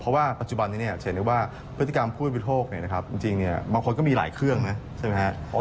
เพราะว่าปัจจุบันนี้จะเห็นได้ว่าพฤติกรรมผู้บริโภคจริงบางคนก็มีหลายเครื่องนะใช่ไหมครับ